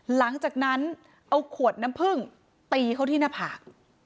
หลังจากนั้นเอาขวดน้ำพึ่งตีเขาที่หน้าผาก